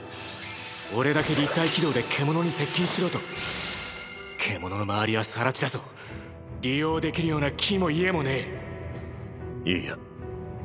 俺だけ立体機動で獣に接近しろと⁉獣の周りは更地だぞ⁉利用できるような木も家もねぇ！！いいや。